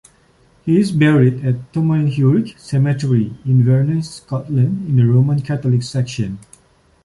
He is buried at Tomnahurich Cemetery, Inverness, Scotland, in the Roman Catholic Section.